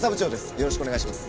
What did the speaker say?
よろしくお願いします。